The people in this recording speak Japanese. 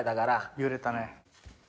揺れたね。